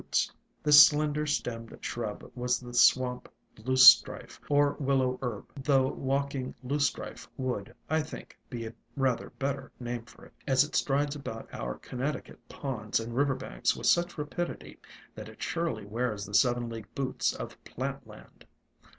ALONG THE WATERWAYS 49 This slender stemmed shrub was the Swamp Loosestrife, or Willow Herb, — though Walking Loosestrife would, I think, be rather a better name for it, as it strides about our Connecticut ponds and river banks with such rapidity that it surely wears the seven league boots of plant land!